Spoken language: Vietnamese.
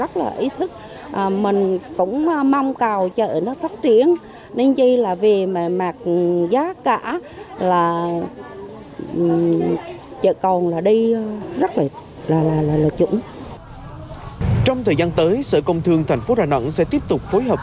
trong thời gian tới sở công thương thành phố đà nẵng sẽ tiếp tục phối hợp